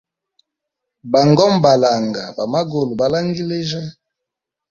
Bangoma ba langa, bamangulu balangilijya.